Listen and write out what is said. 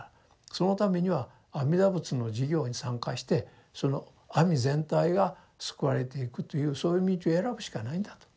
そのためには阿弥陀仏の事業に参加してその網全体が救われていくというそういう道を選ぶしかないんだと。